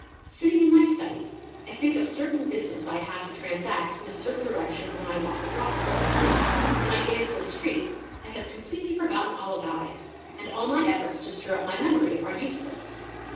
Sitting in my study, I think of certain business I have to transact in a certain direction when I walk abroad. When I get into — the street I have completely forgotten all about it, and all my efforts to stir up my memory are useless.